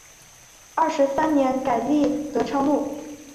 二十三年改隶德昌路。